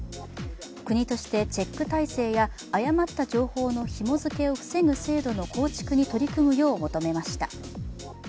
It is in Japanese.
国としてチェック体制や誤った情報のひもづけを防ぐ制度の構築に取り組むよう求めました。